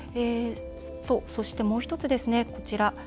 そして、もう１つですね。